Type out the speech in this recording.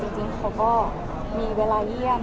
จริงเขาก็มีเวลาเยี่ยม